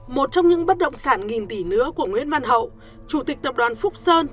một trong những bất động sản nghìn tỷ nữa của nguyễn văn hậu chủ tịch tập đoàn phúc sơn